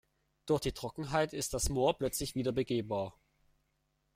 Durch die Trockenheit ist das Moor plötzlich wieder begehbar.